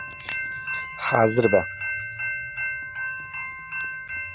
حازر بە!